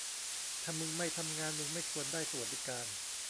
ถ้ามึงไม่ทำงานมึงไม่ควรได้สวัสดิการ